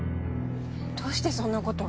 どうしてそんなこと？